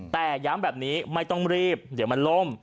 แต่ย้ำแบบนี้ไม่ต้องรีบเดี๋ยวมันล่ม